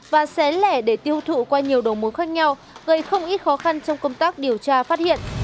và xé lẻ để tiêu thụ qua nhiều đầu mối khác nhau gây không ít khó khăn trong công tác điều tra phát hiện